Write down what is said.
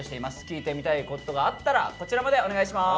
聞いてみたいことがあったらこちらまでお願いします！